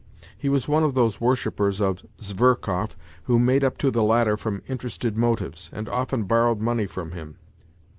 He was one of those worshippers of Zverkov who made up to the latter from interested motives, and often borrowed money from him.